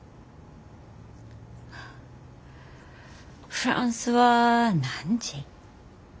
フランスは何時？